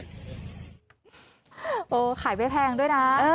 โอ้ยขายแปลกด้วยนะ